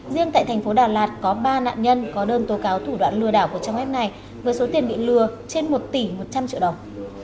riêng tại thành phố đà lạt có ba nạn nhân có đơn tố cáo thủ đoạn lừa đảo của trang web này với số tiền bị lừa trên một tỷ một trăm linh triệu đồng